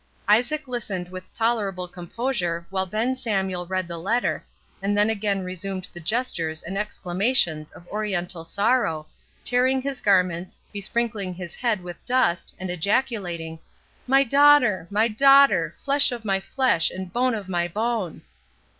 Isaac listened with tolerable composure while Ben Samuel read the letter, and then again resumed the gestures and exclamations of Oriental sorrow, tearing his garments, besprinkling his head with dust, and ejaculating, "My daughter! my daughter! flesh of my flesh, and bone of my bone!"